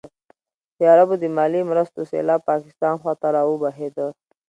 د عربو د مالي مرستو سېلاب پاکستان خوا ته راوبهېده.